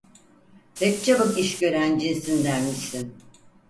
Pek çabuk iş gören cinsindenmişsin!